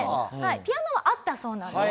ピアノはあったそうなんです